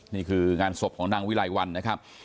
นี่คืองานศพของนางวิลัยวันนะครับ